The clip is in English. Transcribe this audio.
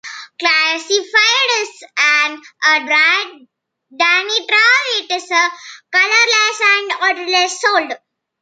Classified as a dinitrile, it is a colorless and odorless solid.